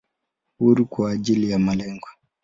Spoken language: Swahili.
Uhuru kwa ajili ya malengo.